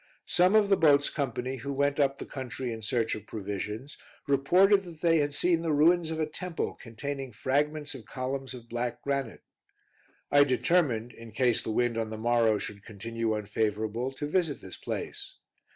Some of the boat's company, who went up the country in search of provisions, reported that they had seen the ruins of a temple, containing fragments of columns of black granite. I determined, in case the wind on the morrow should continue unfavorable, to visit this place.